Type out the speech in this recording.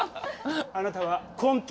あなたはコント